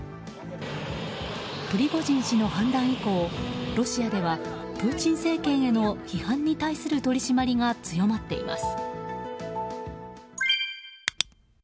プリゴジン氏の反乱以降ロシアではプーチン政権への批判に対する取り締まりが強まっています。